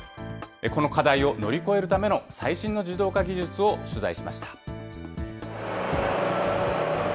この課題を乗り越えるための最新の自動化技術を取材しました。